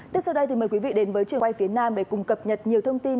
tiếp sau đây thì mời quý vị đến với trường quay phía nam để cùng cập nhật nhiều thông tin